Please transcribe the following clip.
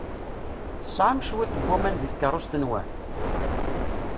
Tesɛam cwiṭ n waman deg tkeṛṛust-nwen?